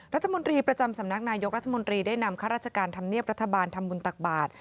รัฐมนตรีประจำสำนักนายกรัฐมนตรีได้นำข้าราชการธรรมเนียบรัฐบาลทำบุญตักบาท